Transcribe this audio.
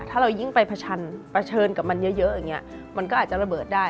ถ้าเรายิ่งไปเผชิญกับมันเยอะอย่างนี้มันก็อาจจะระเบิดได้